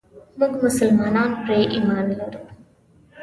موږ مسلمانان پرې ايمان لرو.